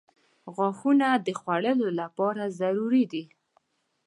• غاښونه د خوړلو لپاره ضروري دي.